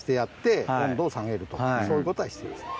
そういうことが必要です。